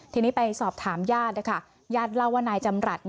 ทีนี้ไปสอบถามญาติญาติเลวนายจำรัฐ